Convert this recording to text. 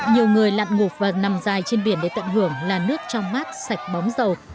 nhiều người lặn ngụp và nằm dài trên biển để tận hưởng là nước trong mát sạch bóng dầu